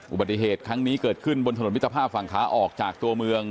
อุบัติเหตุครั้งนี้เกิดขึ้นบนถนนมิตรภาพฝั่งขาออกจากตัวเมือง